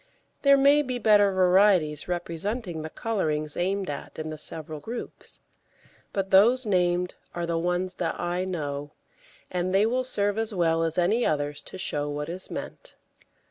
There may be better varieties representing the colourings aimed at in the several groups, but those named are ones that I know, and they will serve as well as any others to show what is meant.